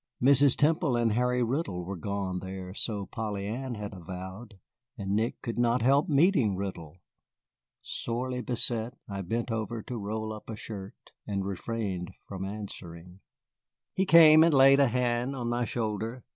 Mrs. Temple and Harry Riddle were gone there, so Polly Ann had avowed, and Nick could not help meeting Riddle. Sorely beset, I bent over to roll up a shirt, and refrained from answering. He came and laid a hand on my shoulder.